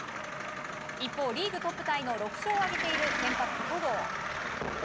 一方、リーグトップタイの６勝を挙げている先発、戸郷。